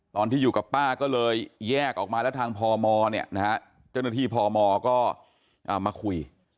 ตอนที่อยู่กับป้าก็เลยแยกออกมาแล้วทางพมเจ้าหน้าที่พมก็มาคุย